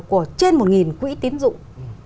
của trên một nghìn quỹ tiến dụng